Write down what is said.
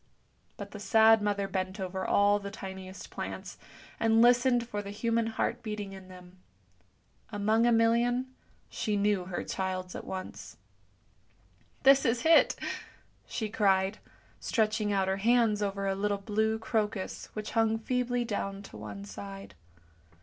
But the sad mother bent over all the tiniest plants, and listened for the human heart beating in them. Among a million she knew her child's at once. " This is it! " she cried, stretching out her hands over a little blue crocus which hung feebly down to one side.